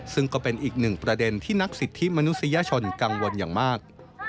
ซึ่งก็เป็นอีกหนึ่งประเด็นที่นักสิทธิมนุษยชนกังวลอย่างมาก